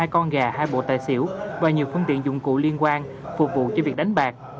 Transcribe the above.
hai con gà hai bộ tài xỉu và nhiều phương tiện dụng cụ liên quan phục vụ cho việc đánh bạc